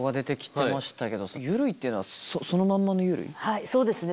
はいそうですね。